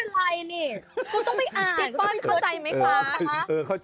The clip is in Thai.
ชอบอ่ะก็ไม่เป็นไรเนี่ยกูต้องไปอ่านก็ต้องไปเซอร์ช